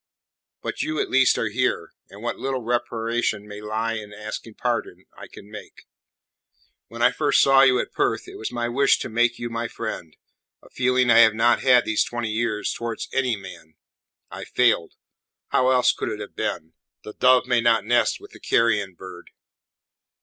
But you at least are here, and what little reparation may lie in asking pardon I can make. When I first saw you at Perth it was my wish to make you my friend a feeling I have not had these twenty years towards any man. I failed. How else could it have been? The dove may not nest with the carrion bird."